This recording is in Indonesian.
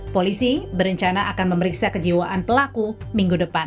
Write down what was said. polisi berencana akan memeriksa kejiwaan pelaku minggu depan